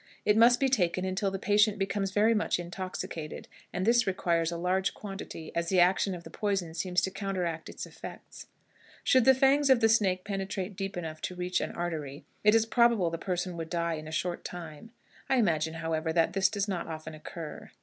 It must be taken until the patient becomes very much intoxicated, and this requires a large quantity, as the action of the poison seems to counteract its effects. Should the fangs of the snake penetrate deep enough to reach an artery, it is probable the person would die in a short time. I imagine, however, that this does not often occur.